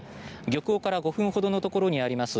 漁港から５分ほどのところにあります